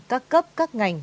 các cấp các ngành